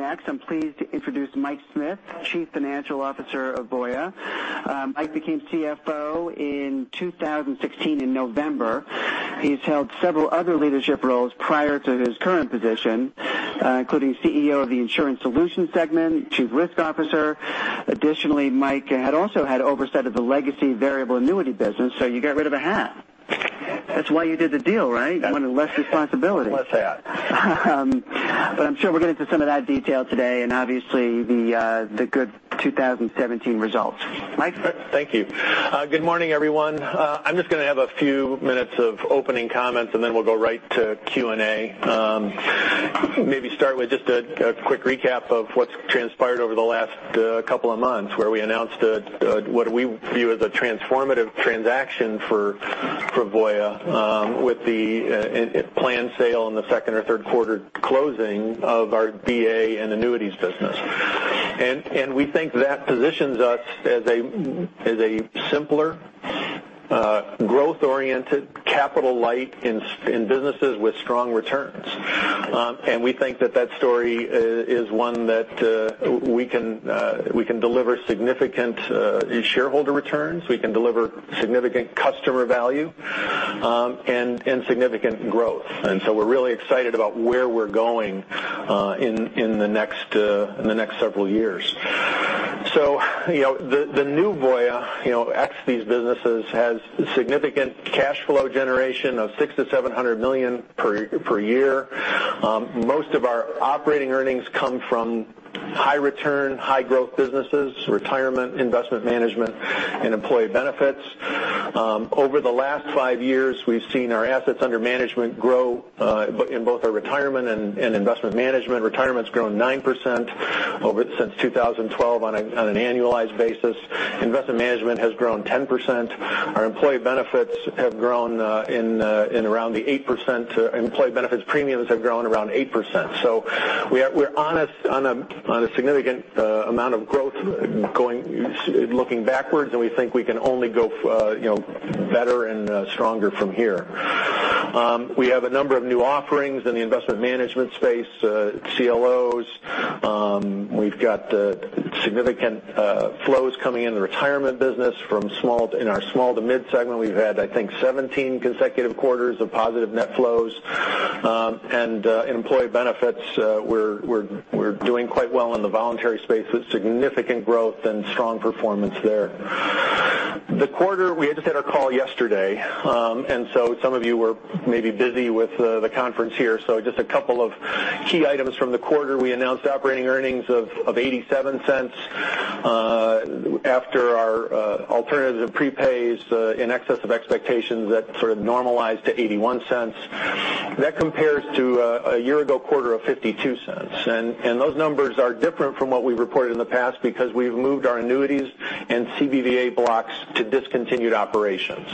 Next, I'm pleased to introduce Mike Smith, Chief Financial Officer of Voya. Mike became CFO in 2016 in November. He's held several other leadership roles prior to his current position, including CEO of the Insurance Solutions segment, Chief Risk Officer. Additionally, Mike had also had oversight of the legacy variable annuity business, so you got rid of a hat. That's why you did the deal, right? You wanted less responsibility. Less hat. I'm sure we'll get into some of that detail today and obviously the good 2017 results. Mike? Thank you. Good morning, everyone. I'm just going to have a few minutes of opening comments, then we'll go right to Q&A. Maybe start with just a quick recap of what's transpired over the last couple of months, where we announced what we view as a transformative transaction for Voya, with the planned sale in the second or third quarter closing of our VA and annuities business. We think that positions us as a simpler, growth-oriented, capital-light in businesses with strong returns. We think that story is one that we can deliver significant shareholder returns, we can deliver significant customer value, and significant growth. We're really excited about where we're going in the next several years. The new Voya, ex these businesses, has significant cash flow generation of $600 million-$700 million per year. Most of our operating earnings come from high return, high growth businesses, Retirement, Investment Management, and Employee Benefits. Over the last five years, we've seen our assets under management grow in both our Retirement and Investment Management. Retirement's grown 9% since 2012 on an annualized basis. Investment Management has grown 10%. Our Employee Benefits premiums have grown around 8%. We're on a significant amount of growth looking backwards, and we think we can only go better and stronger from here. We have a number of new offerings in the Investment Management space, CLOs. We've got significant flows coming in the Retirement business. In our small to mid segment, we've had, I think, 17 consecutive quarters of positive net flows. In Employee Benefits, we're doing quite well in the voluntary space with significant growth and strong performance there. The quarter, we had just had our call yesterday, some of you were maybe busy with the conference here, just a couple of key items from the quarter. We announced operating earnings of $0.87 after our alternative prepays in excess of expectations that sort of normalized to $0.81. That compares to a year ago quarter of $0.52. Those numbers are different from what we've reported in the past because we've moved our annuities and CBVA blocks to discontinued operations.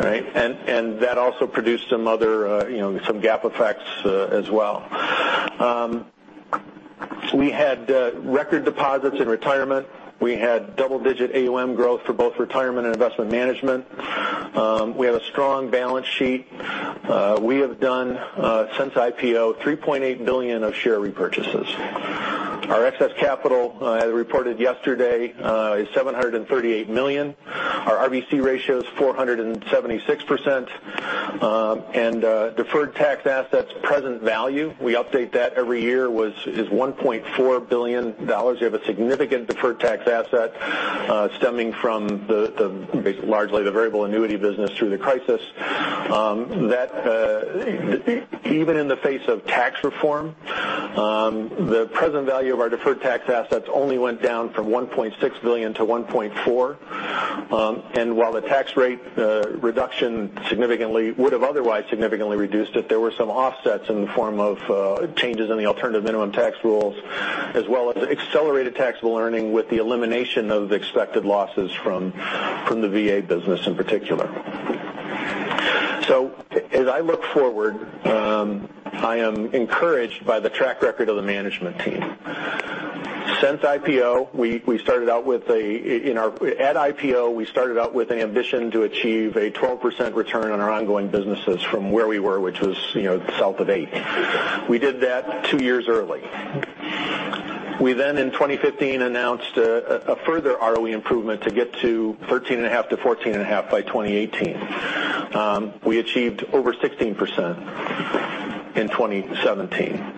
Right? That also produced some GAAP effects as well. We had record deposits in Retirement. We had double-digit AUM growth for both Retirement and Investment Management. We have a strong balance sheet. We have done, since IPO, $3.8 billion of share repurchases. Our excess capital, as reported yesterday, is $738 million. Our RBC ratio is 476%. Deferred tax assets present value, we update that every year, is $1.4 billion. We have a significant deferred tax asset stemming from largely the variable annuity business through the crisis. Even in the face of tax reform, the present value of our deferred tax assets only went down from $1.6 billion to $1.4 billion. While the tax rate reduction would have otherwise significantly reduced it, there were some offsets in the form of changes in the alternative minimum tax rules, as well as accelerated tax learning with the elimination of expected losses from the VA business in particular. As I look forward, I am encouraged by the track record of the management team. At IPO, we started out with an ambition to achieve a 12% return on our ongoing businesses from where we were, which was south of eight. We did that two years early. We, in 2015, announced a further ROE improvement to get to 13.5%-14.5% by 2018. We achieved over 16% in 2017.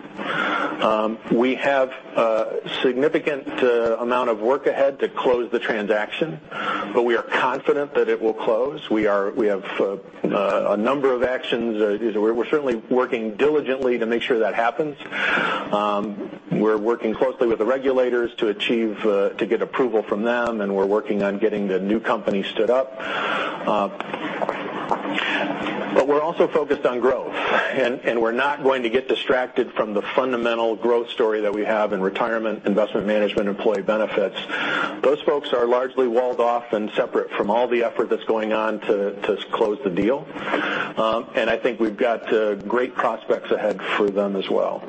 We have a significant amount of work ahead to close the transaction, we are confident that it will close. We have a number of actions. We're certainly working diligently to make sure that happens. We're working closely with the regulators to get approval from them, we're working on getting the new company stood up. We're also focused on growth, we're not going to get distracted from the fundamental growth story that we have in Retirement, Investment Management, Employee Benefits. Those folks are largely walled off and separate from all the effort that's going on to close the deal. I think we've got great prospects ahead for them as well.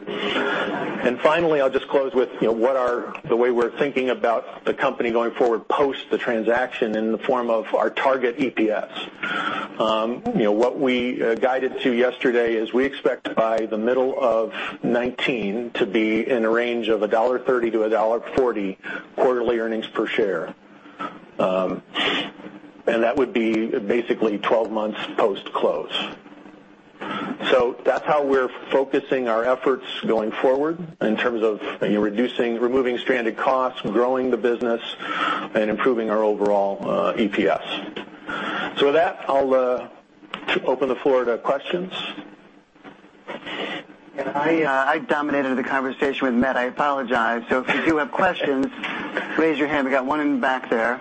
Finally, I'll just close with the way we're thinking about the company going forward post the transaction in the form of our target EPS. What we guided to yesterday is we expect by the middle of 2019 to be in a range of $1.30-$1.40 quarterly earnings per share. That would be basically 12 months post-close. That's how we're focusing our efforts going forward in terms of removing stranded costs, growing the business, and improving our overall EPS. With that, I'll open the floor to questions. I dominated the conversation with Matt, I apologize. If you do have questions, raise your hand. We've got one in the back there.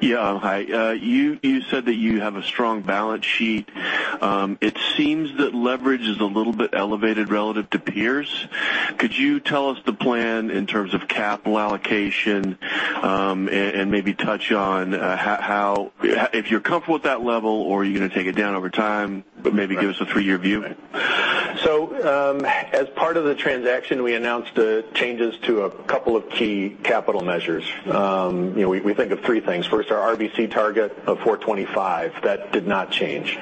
Yeah. Hi. You said that you have a strong balance sheet. It seems that leverage is a little bit elevated relative to peers. Could you tell us the plan in terms of capital allocation? Maybe touch on if you're comfortable with that level or are you going to take it down over time, but maybe give us a three-year view? As part of the transaction, we announced changes to a couple of key capital measures. We think of three things. First, our RBC target of 425. That did not change.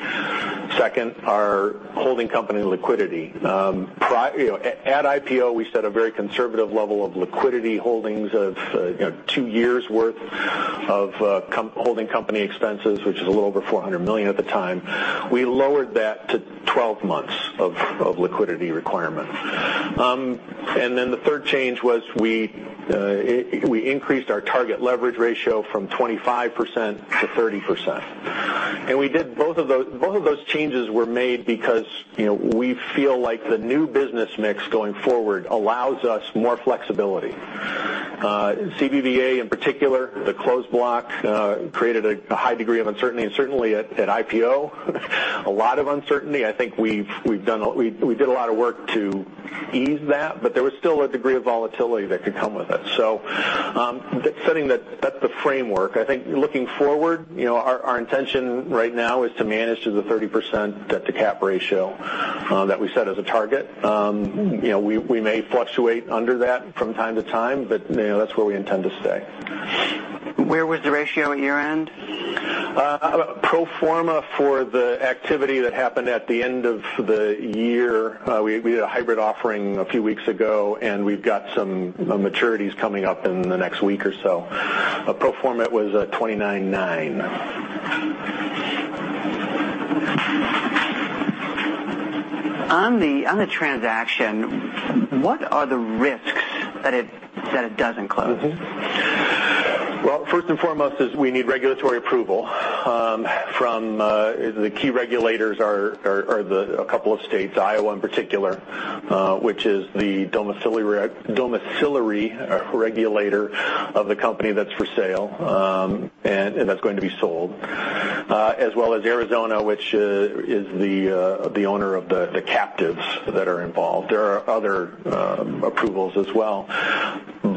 Second, our holding company liquidity. At IPO, we set a very conservative level of liquidity holdings of two years worth of holding company expenses, which is a little over $400 million at the time. We lowered that to 12 months of liquidity requirement. The third change was we increased our target leverage ratio from 25%-30%. Both of those changes were made because we feel like the new business mix going forward allows us more flexibility. CBVA, in particular, the closed block, created a high degree of uncertainty and certainly at IPO, a lot of uncertainty. I think we did a lot of work to ease that, but there was still a degree of volatility that could come with it. Setting that's the framework. I think looking forward, our intention right now is to manage to the 30% debt-to-capital ratio that we set as a target. We may fluctuate under that from time to time, but that's where we intend to stay. Where was the ratio at year-end? Pro forma for the activity that happened at the end of the year, we did a hybrid offering a few weeks ago, and we've got some maturities coming up in the next week or so. Pro forma was at 29.9. On the transaction, what are the risks that it doesn't close? First and foremost, we need regulatory approval from the key regulators. A couple of states, Iowa in particular, which is the domiciliary regulator of the company that's for sale and that's going to be sold. Arizona, which is the owner of the captives that are involved. There are other approvals as well.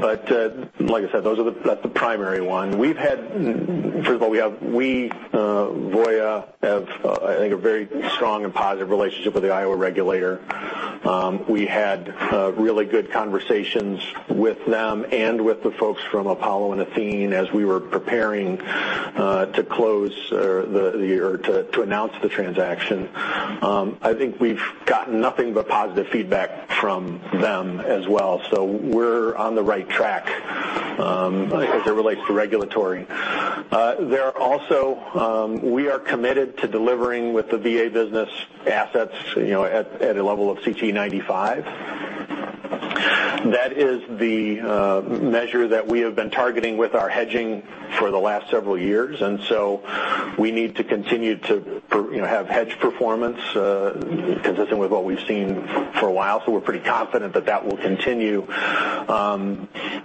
Like I said, that's the primary one. First of all, we, Voya, have, I think, a very strong and positive relationship with the Iowa regulator. We had really good conversations with them and with the folks from Apollo and Athene as we were preparing to announce the transaction. I think we've gotten nothing but positive feedback from them as well. We're on the right track as it relates to regulatory. We are committed to delivering with the VA business assets at a level of CTE95. That is the measure that we have been targeting with our hedging for the last several years. We need to continue to have hedge performance consistent with what we've seen for a while. We're pretty confident that will continue.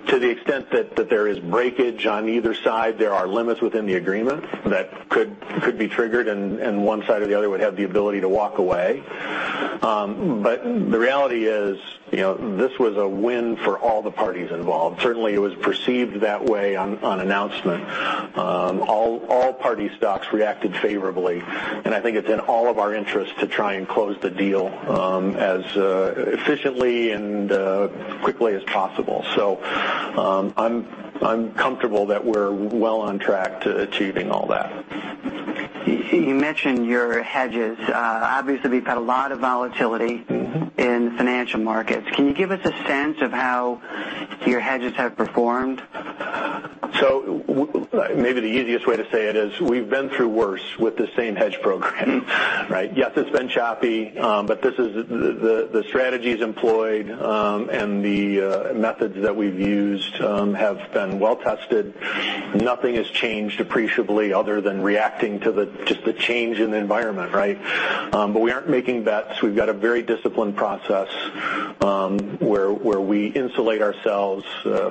To the extent that there is breakage on either side, there are limits within the agreement that could be triggered and one side or the other would have the ability to walk away. The reality is this was a win for all the parties involved. Certainly, it was perceived that way on announcement. All parties' stocks reacted favorably, and I think it's in all of our interests to try and close the deal as efficiently and quickly as possible. I'm comfortable that we're well on track to achieving all that. You mentioned your hedges. Obviously, we've had a lot of volatility in financial markets. Can you give us a sense of how your hedges have performed? Maybe the easiest way to say it is we've been through worse with the same hedge program, right? Yes, it's been choppy, the strategies employed and the methods that we've used have been well tested. Nothing has changed appreciably other than reacting to just the change in the environment, right? We aren't making bets. We've got a very disciplined process, where we insulate ourselves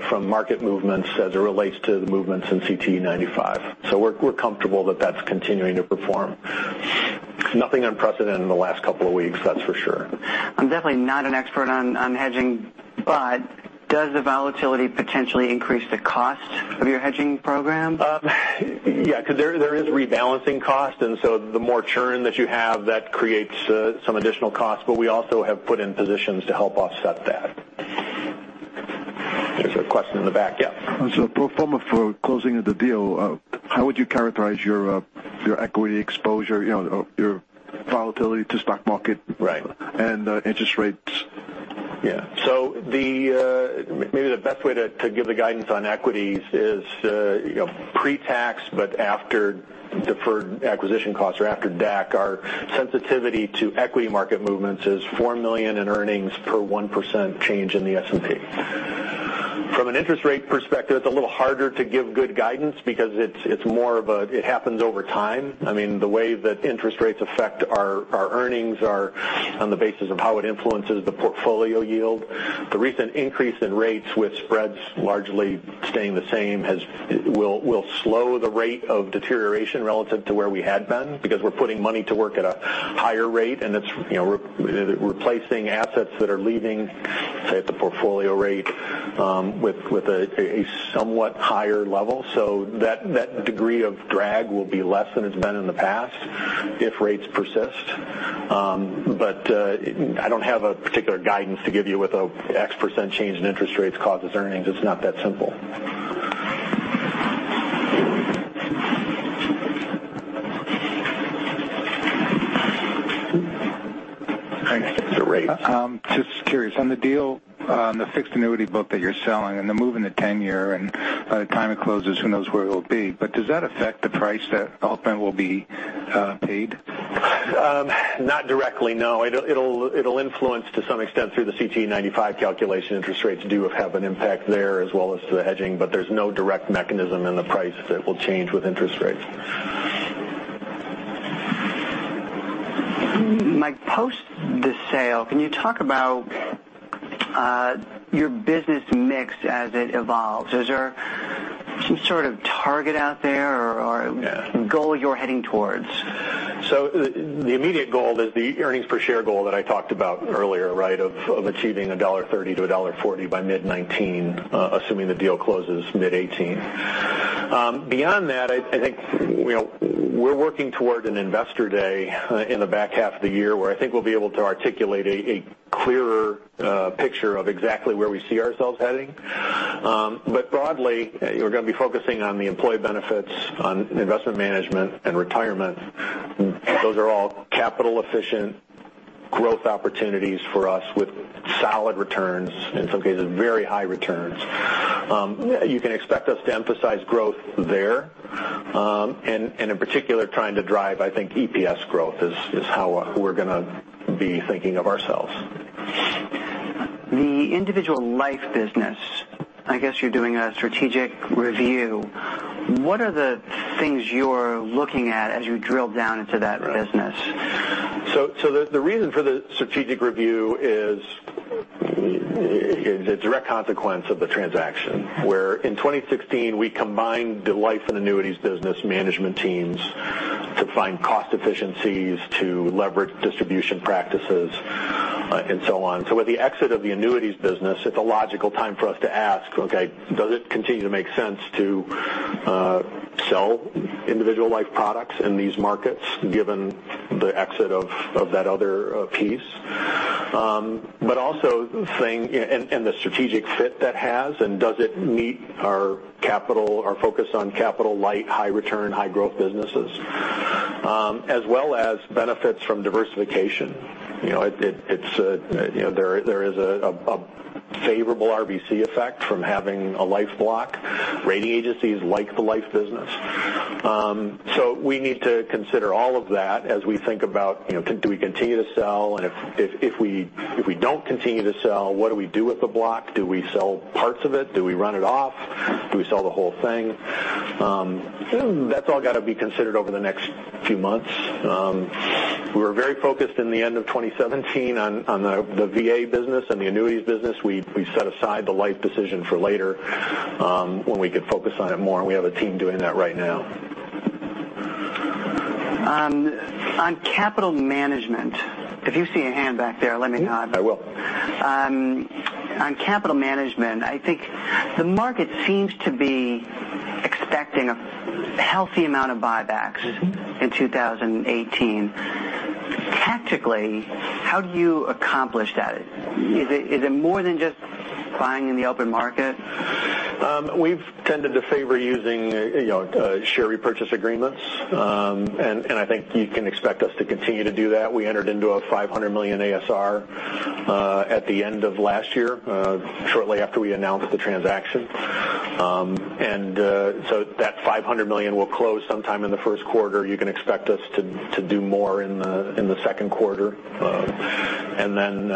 from market movements as it relates to the movements in CTE95. We're comfortable that's continuing to perform. Nothing unprecedented in the last couple of weeks, that's for sure. I'm definitely not an expert on hedging, does the volatility potentially increase the cost of your hedging program? Yeah, because there is rebalancing cost, the more churn that you have, that creates some additional cost. We also have put in positions to help offset that. There's a question in the back. Yeah. Pro forma for closing of the deal, how would you characterize your equity exposure, your volatility to stock market- Right and interest rates? Yeah. Maybe the best way to give the guidance on equities is pre-tax, but after deferred acquisition costs or after DAC, our sensitivity to equity market movements is $4 million in earnings per 1% change in the S&P. From an interest rate perspective, it's a little harder to give good guidance because it happens over time. I mean, the way that interest rates affect our earnings are on the basis of how it influences the portfolio yield. The recent increase in rates with spreads largely staying the same will slow the rate of deterioration relative to where we had been because we're putting money to work at a higher rate, and it's replacing assets that are leaving, say, at the portfolio rate with a somewhat higher level. That degree of drag will be less than it's been in the past if rates persist. I don't have a particular guidance to give you with a X% change in interest rates causes earnings. It's not that simple. Thanks. The rates. Just curious, on the deal on the fixed annuity book that you're selling and the move in the 10-year and by the time it closes, who knows where it'll be. Does that affect the price that ultimate will be paid? Not directly, no. It'll influence to some extent through the CTE95 calculation. Interest rates do have an impact there as well as the hedging, but there's no direct mechanism in the price that will change with interest rates. Mike, post the sale, can you talk about your business mix as it evolves? Is there some sort of target out there? Yeah goal you're heading towards? The immediate goal is the earnings per share goal that I talked about earlier, of achieving $1.30-$1.40 by mid 2019, assuming the deal closes mid 2018. Beyond that, I think we're working toward an investor day in the back half of the year where I think we'll be able to articulate a clearer picture of exactly where we see ourselves heading. Broadly, we're going to be focusing on the Employee Benefits on Investment Management and Retirement. Those are all capital efficient growth opportunities for us with solid returns, in some cases, very high returns. You can expect us to emphasize growth there. In particular, trying to drive, I think, EPS growth is how we're going to be thinking of ourselves. The individual life business, I guess you're doing a strategic review. What are the things you're looking at as you drill down into that business? The reason for the strategic review is the direct consequence of the transaction, where in 2016 we combined the life and annuities business management teams to find cost efficiencies to leverage distribution practices and so on. With the exit of the annuities business, it's a logical time for us to ask, okay, does it continue to make sense to sell individual life products in these markets given the exit of that other piece? Also, the strategic fit that has and does it meet our focus on capital light, high return, high growth businesses, as well as benefits from diversification. There is a favorable RBC effect from having a life block. Rating agencies like the life business. We need to consider all of that as we think about do we continue to sell? If we don't continue to sell, what do we do with the block? Do we sell parts of it? Do we run it off? Do we sell the whole thing? That's all got to be considered over the next few months. We were very focused in the end of 2017 on the VA business and the annuities business. We set aside the life decision for later when we could focus on it more, and we have a team doing that right now. On capital management. If you see a hand back there, let me know. I will. On capital management, I think the market seems to be expecting a healthy amount of buybacks in 2018. Tactically, how do you accomplish that? Is it more than just buying in the open market? We've tended to favor using share repurchase agreements. I think you can expect us to continue to do that. We entered into a $500 million ASR at the end of last year shortly after we announced the transaction. That $500 million will close sometime in the first quarter. You can expect us to do more in the second quarter. Then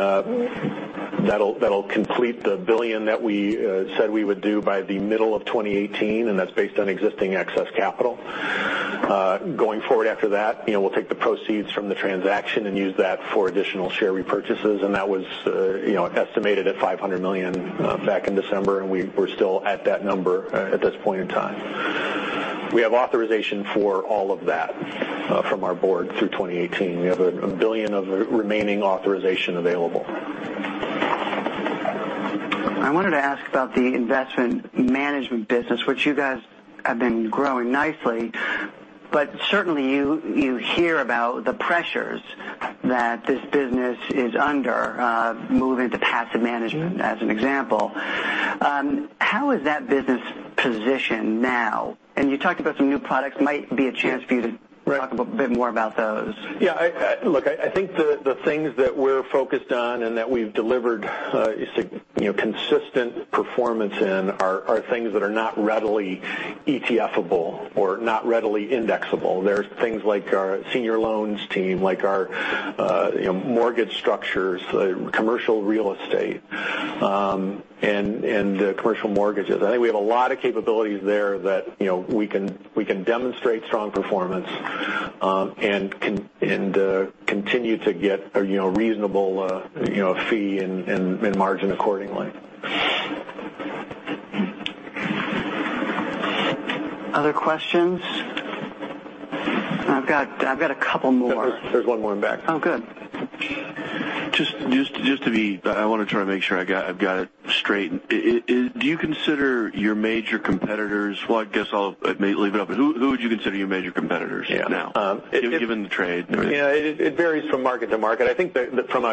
that'll complete the $1 billion that we said we would do by the middle of 2018, and that's based on existing excess capital. Going forward after that, we'll take the proceeds from the transaction and use that for additional share repurchases, and that was estimated at $500 million back in December, and we're still at that number at this point in time. We have authorization for all of that from our board through 2018. We have $1 billion of remaining authorization available. I wanted to ask about the Investment Management business, which you guys have been growing nicely. Certainly, you hear about the pressures that this business is under, moving to passive management. as an example. How is that business positioned now? You talked about some new products. Might be a chance for you to- Right talk a bit more about those. Yeah. Look, I think the things that we're focused on and that we've delivered consistent performance in are things that are not readily ETF-able or not readily indexable. They're things like our senior loans team, like our mortgage structures, commercial real estate, and commercial mortgages. I think we have a lot of capabilities there that we can demonstrate strong performance and continue to get reasonable fee and margin accordingly. Other questions? I've got a couple more. There's one more in back. Oh, good. Just to be I want to try to make sure I've got it straight. Do you consider your major competitors, well, I guess I'll maybe leave it open. Who would you consider your major competitors now? Yeah. Given the trade. Yeah. It varies from market to market. I think that from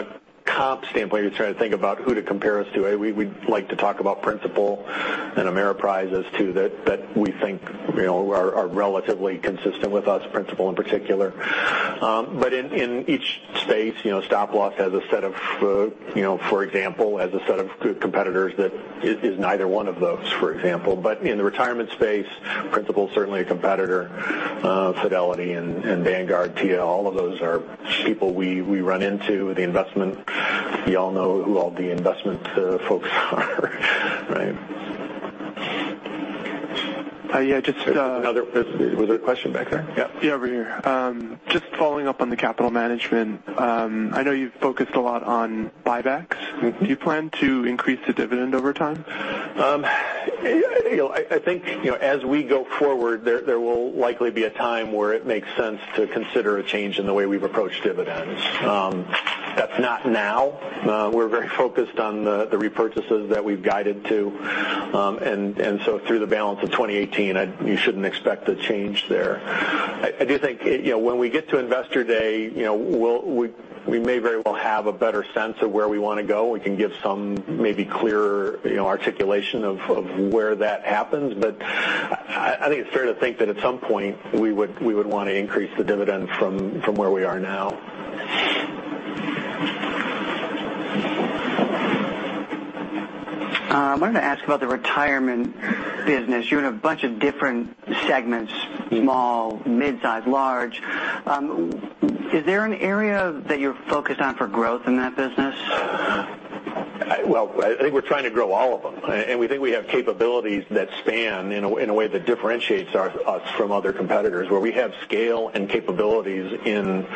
a comp standpoint, if you're trying to think about who to compare us to, we like to talk about Principal and Ameriprise as two that we think are relatively consistent with us, Principal in particular. In each space, Stop Loss, for example, has a set of good competitors that is neither one of those, for example. In the Retirement space, Principal's certainly a competitor. Fidelity and Vanguard, TIAA, all of those are people we run into. We all know who all the investment folks are. Right? Just- Was there a question back there? Yeah. Over here. Just following up on the capital management. I know you've focused a lot on buybacks. Do you plan to increase the dividend over time? I think, as we go forward, there will likely be a time where it makes sense to consider a change in the way we've approached dividends. That's not now. We're very focused on the repurchases that we've guided to. Through the balance of 2018, you shouldn't expect a change there. I do think when we get to Investor Day, we may very well have a better sense of where we want to go. We can give some maybe clearer articulation of where that happens. I think it's fair to think that at some point, we would want to increase the dividend from where we are now. I wanted to ask about the Retirement business. You're in a bunch of different segments. Small, mid-size, large. Is there an area that you're focused on for growth in that business? Well, I think we're trying to grow all of them, and we think we have capabilities that span in a way that differentiates us from other competitors, where we have scale and capabilities in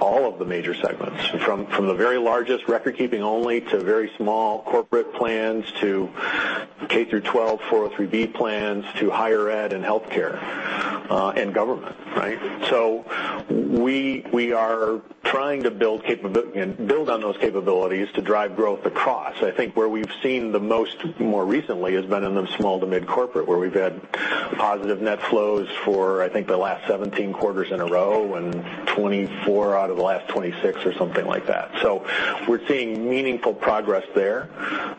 all of the major segments, from the very largest record keeping only, to very small corporate plans, to K through 12 403 plans, to higher ed and healthcare, and government. Right? We are trying to build on those capabilities to drive growth across. I think where we've seen the most more recently has been in the small to mid-corporate, where we've had positive net flows for, I think, the last 17 quarters in a row, and 24 out of the last 26 or something like that. We're seeing meaningful progress there.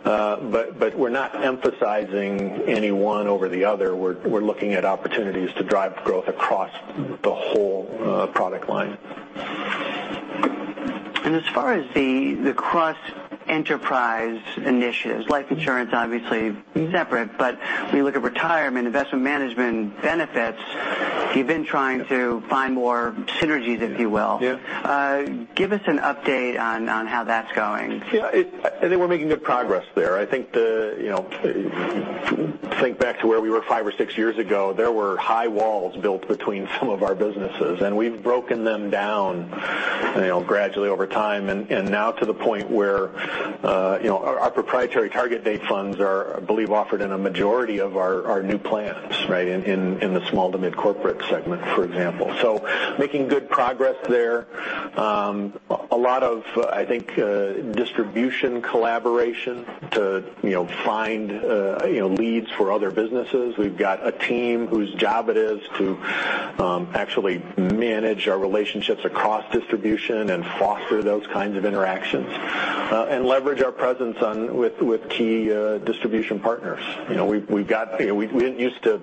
We're not emphasizing any one over the other. We're looking at opportunities to drive growth across the whole product line. As far as the cross-enterprise initiatives, life insurance, obviously separate. When you look at Retirement, Investment Management, Benefits, you've been trying to find more synergies, if you will. Yeah. Give us an update on how that's going. I think we're making good progress there. I think back to where we were five or six years ago, there were high walls built between some of our businesses, and we've broken them down gradually over time. Now to the point where our proprietary target date funds are, I believe, offered in a majority of our new plans. Right? In the small to mid-corporate segment, for example. Making good progress there. A lot of, I think, distribution collaboration to find leads for other businesses. We've got a team whose job it is to actually manage our relationships across distribution and foster those kinds of interactions, and leverage our presence with key distribution partners. We didn't used to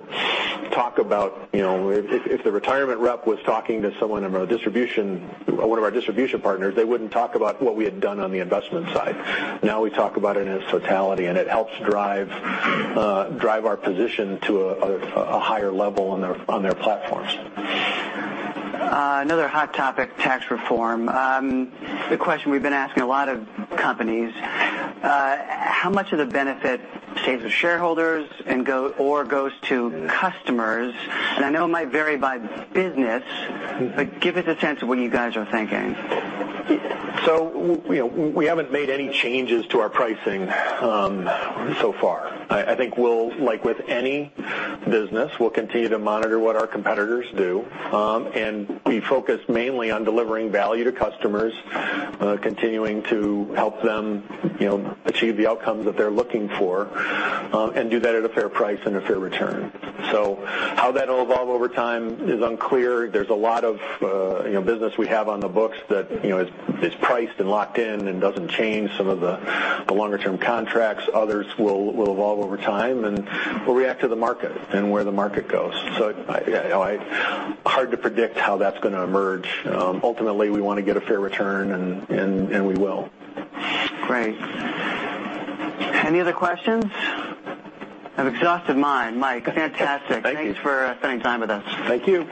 talk about if the Retirement rep was talking to one of our distribution partners, they wouldn't talk about what we had done on the investment side. Now we talk about it in its totality, and it helps drive our position to a higher level on their platforms. Another hot topic, tax reform. The question we've been asking a lot of companies, how much of the benefit stays with shareholders or goes to customers? I know it might vary by business- give us a sense of what you guys are thinking. We haven't made any changes to our pricing so far. I think like with any business, we'll continue to monitor what our competitors do. We focus mainly on delivering value to customers, continuing to help them achieve the outcomes that they're looking for, and do that at a fair price and a fair return. How that'll evolve over time is unclear. There's a lot of business we have on the books that is priced and locked in and doesn't change some of the longer-term contracts. Others will evolve over time, and we'll react to the market and where the market goes. Hard to predict how that's going to emerge. Ultimately, we want to get a fair return, and we will. Great. Any other questions? I've exhausted mine. Mike, fantastic. Thank you. Thanks for spending time with us. Thank you.